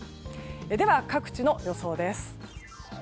では、各地の予想です。